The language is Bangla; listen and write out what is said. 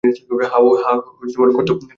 হ্যাঁ, করতেও পারে।